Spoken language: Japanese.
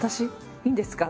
いいんですか？